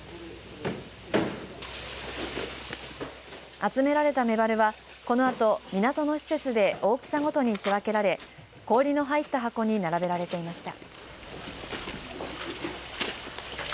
集められたメバルは、このあと港の施設で大きさごとに仕分けられ氷の入った箱に並べられていました。